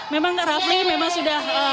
memang raufli memang sudah